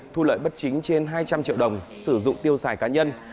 thu lợi bất chính trên hai trăm linh triệu đồng sử dụng tiêu xài cá nhân